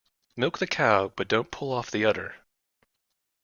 Milk the cow but don't pull off the udder.